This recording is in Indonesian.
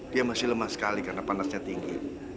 dia masih lemah sekali karena panasnya tinggi